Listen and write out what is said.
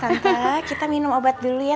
kita minum obat dulu ya